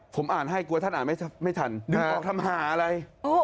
ผมอ่านให้กลัวท่านอ่านไม่ทันดึงออกทำหาอะไร